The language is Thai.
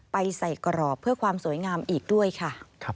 ไปใส่กรอบเพื่อความสวยงามอีกด้วยค่ะ